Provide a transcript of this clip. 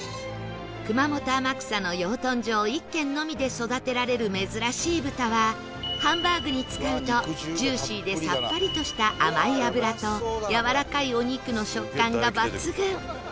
熊本天草の養豚場１軒のみで育てられる珍しい豚はハンバーグに使うとジューシーでさっぱりとした甘い脂とやわらかいお肉の食感が抜群